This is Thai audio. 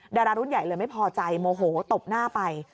ดารารุ่นใหญ่เลยไม่พอใจโมโหตบหน้าไป